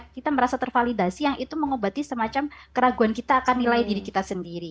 kita merasa tervalidasi yang itu mengobati semacam keraguan kita akan nilai diri kita sendiri